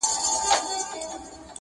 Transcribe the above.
چي مو شپې په روڼولې چي تیارې مو زنګولې -